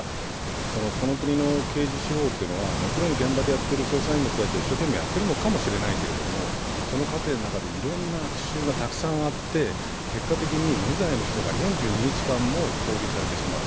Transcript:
この国の刑事司法というのは、もちろん現場の捜査員は一生懸命やっているのかもしれないけれどその過程の中でいろんな悪習があって結果的に無罪の人が４２日間も勾留されてしまう。